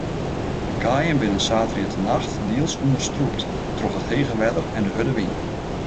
De kaaien binne saterdeitenacht diels ûnderstrûpt troch it hege wetter en de hurde wyn.